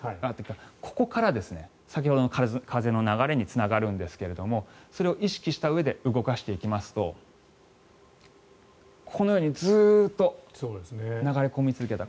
ここから先ほどの風の流れにつながるんですがそれを意識したうえで動かしていきますとこのようにずっと流れ込み続けた。